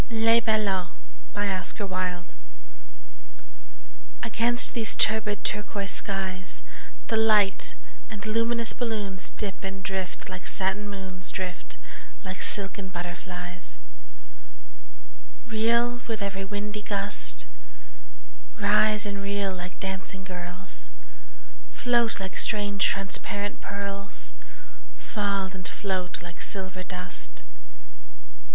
LES BALLONS AGAINST these turbid turquoise skies The light and luminous balloons Dip and drift like satin moons Drift like silken butterflies; Reel with every windy gust, Rise and reel like dancing girls, Float like strange transparent pearls, Fall and float like silver dust.